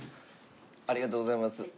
ありがとうございます。